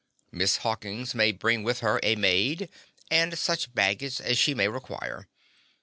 Miss Hawkins may bring with her a maid and such baggage as she may require.